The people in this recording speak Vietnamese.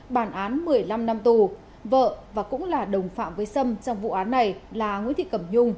bản án một mươi năm năm tù vợ và cũng là đồng phạm với sâm trong vụ án này là nguyễn thị cẩm nhung